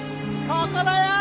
ここだよー！